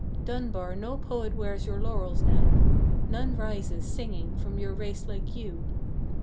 Dunbar, no poet wears your laurels now; None rises, singing, from your race like you.